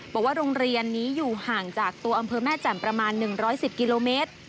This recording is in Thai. บอกว่าโรงเรียนนี้อยู่ห่างจากตัวอำเภอแม่แจ่มประมาณ๑๑๐กิโลเมตร